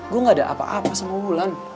gue gak ada apa apa sama wulan